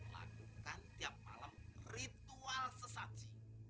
lakukan tiap malam ritual sesaji